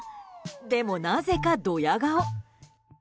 でもなぜか、ドヤ顔。